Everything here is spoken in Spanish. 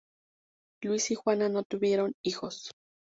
Luis y Juana no tuvieron hijos.